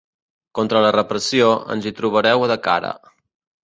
Contra la repressió, ens hi trobareu de cara.